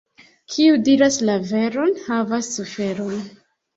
Kiu diras la veron, havas suferon.